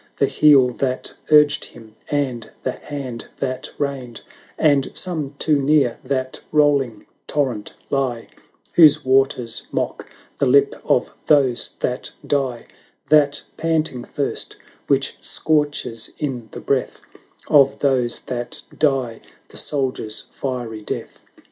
The heel that urged him and the hand that reined; And some too near that rolling torrent he, Whose waters mock the lip of those that die; That panting thirst which scorches in the breath Of those that die the soldier's fiery death.